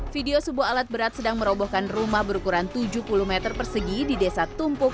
video sebuah alat berat sedang merobohkan rumah berukuran tujuh puluh m persegi di desa tumpuk